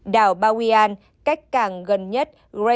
đảo bawean cách càng gần nhất